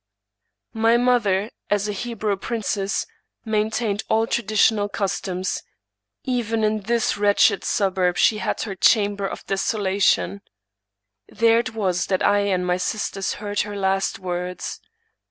My mother, as a Hebrew princess, maintained all traditional customs. Even in this wretched suburb she had her 'chamber of desolation/ There it was that I and my sisters heard her last words.